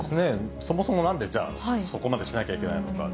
そもそも、なんでじゃあ、そこまでしなきゃいけないのか。